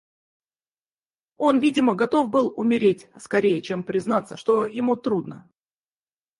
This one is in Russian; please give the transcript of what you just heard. Он, видимо, готов был умереть скорее, чем признаться, что ему трудно.